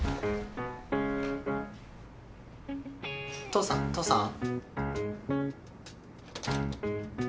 父さん父さん？